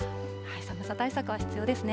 寒さ対策は必要ですね。